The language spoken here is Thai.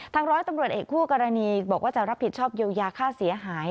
ร้อยตำรวจเอกคู่กรณีบอกว่าจะรับผิดชอบเยียวยาค่าเสียหาย